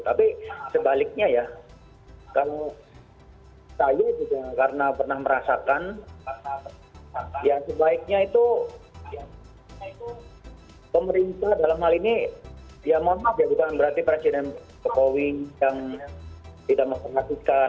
tapi sebaliknya ya kalau saya juga karena pernah merasakan ya sebaiknya itu pemerintah dalam hal ini ya mohon maaf ya bukan berarti presiden jokowi yang tidak memperhatikan